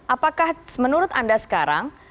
apakah menurut anda sekarang